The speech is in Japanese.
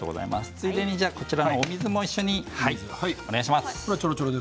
ついでにお水も一緒にお願いします。